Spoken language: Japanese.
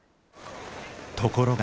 ところが。